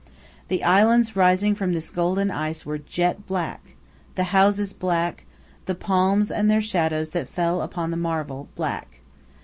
The islands rising from this golden ice were jet black, the houses black, the palms and their shadows that fell upon the marvel black.